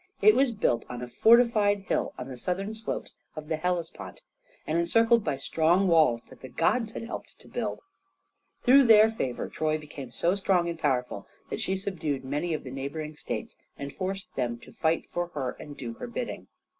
It was built on a fortified hill on the southern slopes of the Hellespont, and encircled by strong walls that the gods had helped to build. Through their favor Troy became so strong and powerful that she subdued many of the neighboring states and forced them to fight for her and do her bidding.